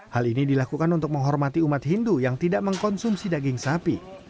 hal ini dilakukan untuk menghormati umat hindu yang tidak mengkonsumsi daging sapi